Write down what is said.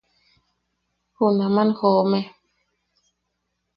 Junaman joome.